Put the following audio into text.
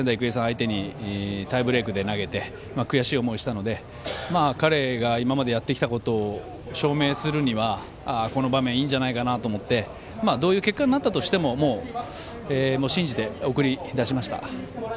相手にタイブレークで投げて悔しい思いしたので彼が今までやってきたことを証明するにはこの場面いいんじゃないかなと思ってどういう結果になったとしても信じて、送り出しました。